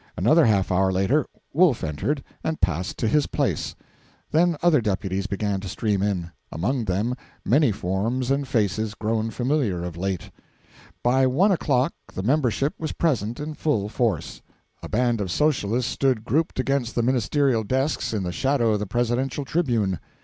Another half hour later Wolf entered and passed to his place; then other deputies began to stream in, among them many forms and faces grown familiar of late. By one o'clock the membership was present in full force. A band of Socialists stood grouped against the ministerial desks, in the shadow of the Presidential tribune.